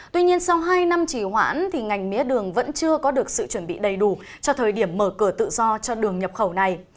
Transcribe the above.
tuy nhiên sau hai năm chỉ hoãn ngành mía đường vẫn chưa có được sự chuẩn bị đầy đủ cho thời điểm mở cửa tự do cho đường nhập khẩu này